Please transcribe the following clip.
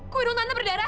kok iroh tante berdarah